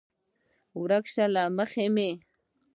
ورک شه له مخې مې!